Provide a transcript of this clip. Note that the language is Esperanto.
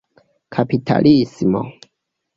kapitalismo